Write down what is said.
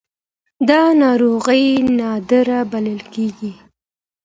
دا ناروغي نادره بلل کېږي.